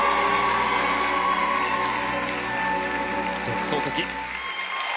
独創的。